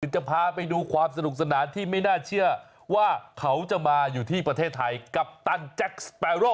จะพาไปดูความสนุกสนานที่ไม่น่าเชื่อว่าเขาจะมาอยู่ที่ประเทศไทยกัปตันแจ็คสเปโร่